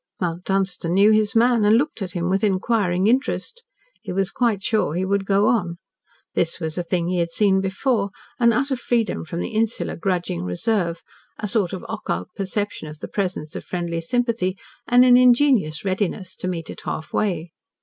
Mount Dunstan knew his man, and looked at him with inquiring interest. He was quite sure he would go on. This was a thing he had seen before an utter freedom from the insular grudging reserve, a sort of occult perception of the presence of friendly sympathy, and an ingenuous readiness to meet it half way.